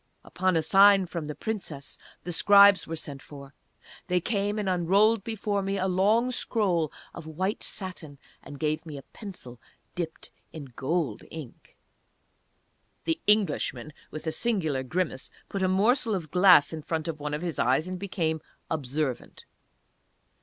Upon a sign from the Princess the Scribes were sent for. They came and unrolled before me a long scroll of white satin, and gave me a pencil dipped in gold ink. The Englishman, with a singular grimace, put a morsel of glass in front of one of his eyes, and became observant.